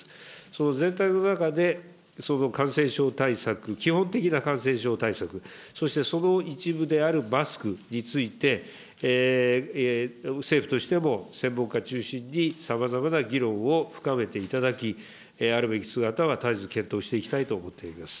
その全体の中で、感染症対策、基本的な感染症対策、そしてその一部であるマスクについて、政府としても専門家中心に、さまざまな議論を深めていただき、あるべき姿は絶えず検討していきたいと思っております。